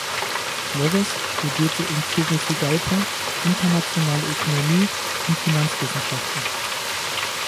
Flores studierte in Tegucigalpa Internationale Ökonomie und Finanzwissenschaften.